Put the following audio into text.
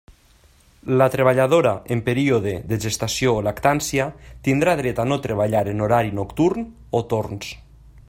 La treballadora en període de gestació o lactància tindrà dret a no treballar en horari nocturn o torns.